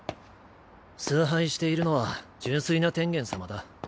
崇拝しているのは純粋な天元様だ。